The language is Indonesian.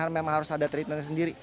memang harus ada treatment sendiri